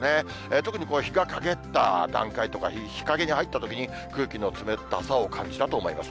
特に日がかげった段階とか、日陰に入ったときに、空気の冷たさを感じたと思います。